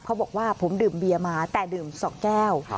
เขาบอกว่าผมดื่มเบียร์มาแต่ดื่ม๒แก้ว